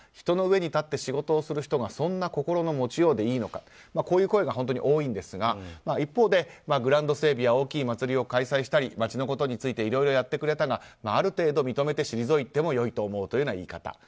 人の上に立って仕事をする人がそんな心の持ちようでいいのかこういう声が本当に多いんですが一方でグラウンド整備や大きい祭りを開催したり街のことについていろいろやってくれたがある程度認めて退いてもいいと思うという言い方。